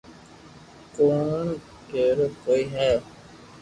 ڪوڻ ڪيرو ڪوئي ھي